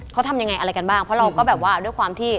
เขาทำยังไงอะไรกันบ้างเพราะเราก็แบบว่าด้วยความที่